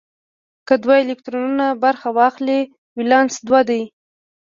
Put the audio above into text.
که دوه الکترونونه برخه واخلي ولانس دوه دی.